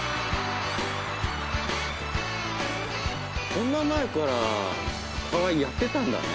こんな前から河合やってたんだね。